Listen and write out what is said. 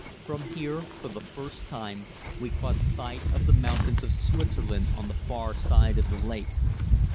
From here, for the first time, we caught sight of the mountains of Switzerland on the far side of the lake.